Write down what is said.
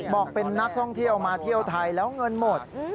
บอกเป็นนักท่องเที่ยวมาเที่ยวไทยแล้วเงินหมด